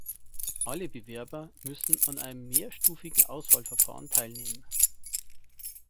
Alle Bewerber müssen an einem mehrstufigen Auswahlverfahren teilnehmen.